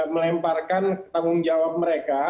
melemparkan tanggung jawab mereka